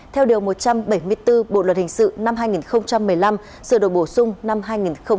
theo điều một trăm bảy mươi bốn bộ luật hình sự năm hai nghìn một mươi năm sửa đổi bổ sung năm hai nghìn một mươi bảy